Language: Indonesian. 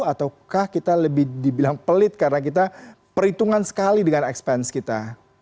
ataukah kita lebih dibilang pelit karena kita perhitungan sekali dengan expense kita